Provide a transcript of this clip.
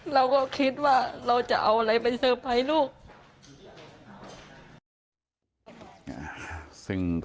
เราก็คิดว่าเราจะเอาอะไรไปเซอร์ไพรส์ลูก